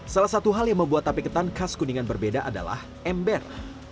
salah satu hal yang membuat tape ketan khas kuningan berbeda adalah ember